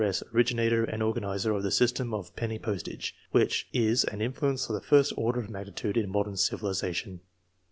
S., originator and organizer of the system of penny postage, which is an influence of the first order of magnitude in modern civilization.